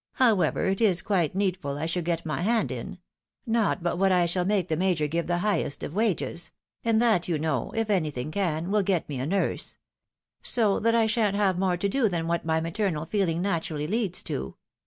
However, it is quite needful I should get my hand in ; not but what I shall make the major give the highest of wages ; and that, you know, if anything can, wiU get me a nurse ; so that I shan't have more to do than what my maternal feeling naturally leads to.